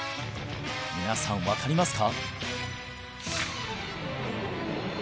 皆さん分かりますか？